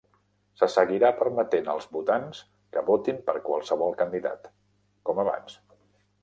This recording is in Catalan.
Se seguirà permetent als votants que votin per qualsevol candidat, com abans.